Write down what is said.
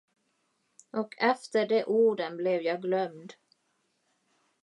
Och efter de orden blev jag glömd.